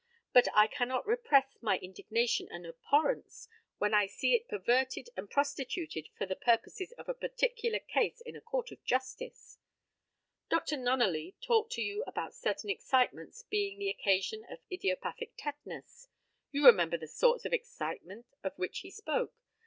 But I cannot repress my indignation and abhorrence when I see it perverted and prostituted for the purposes of a particular case in a court of justice. Dr. Nunneley talked to you about certain excitements being the occasion of idiopathic tetanus. You remember the sorts of excitement of which he spoke.